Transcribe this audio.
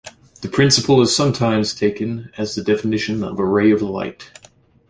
This principle is sometimes taken as the definition of a ray of light.